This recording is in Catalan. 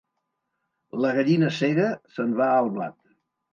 La gallina cega se'n va al blat.